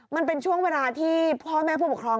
มันเป็นช่วงเวลาที่พ่อแม่ผู้ปกครอง